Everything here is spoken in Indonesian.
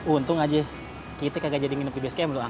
untung aja kita kagak jadi nginep di basecamp tuh ang